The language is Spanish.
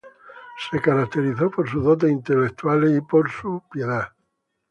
Se caracterizó por sus dotes intelectuales y por su piedad.